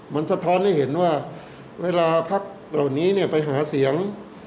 มันสะท้อนให้เห็นว่าเวลาพักเหล่านี้เนี่ยไปหาเสียง